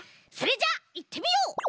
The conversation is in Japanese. それじゃあいってみよう！